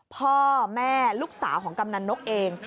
พ่อแม่ลูกสาวของกำนันนกเอง